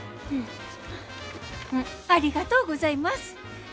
ありがとうございます。